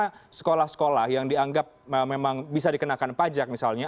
karena sekolah sekolah yang dianggap memang bisa dikenakan pajak misalnya